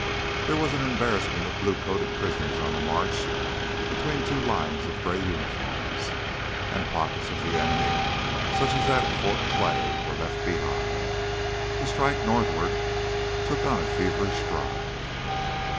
There was an embarrassment of blue coat prisoners on the march between two lines of gray uniforms, and pockets of the enemy such as that at Fort Clay were left behind. The strike northward took on a feverish drive.